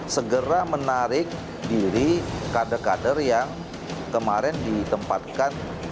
segera menarik diri kader kader yang kemarin ditempatkan